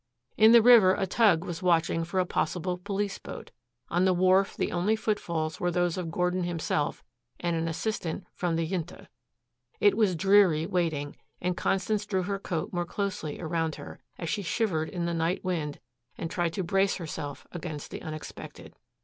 In the river a tug was watching for a possible police boat. On the wharf the only footfalls were those of Gordon himself and an assistant from the Junta. It was dreary waiting, and Constance drew her coat more closely around her, as she shivered in the night wind and tried to brace herself against the unexpected.